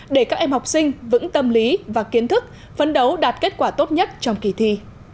để các em học sinh vững tâm lý và kiến thức phấn đấu đạt kết quả tốt nhất trong kỳ thi